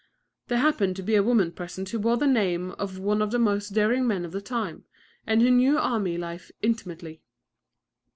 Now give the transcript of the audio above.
There happened to be a woman present who bore the name of one of the most daring men of the time, and who knew army life intimately.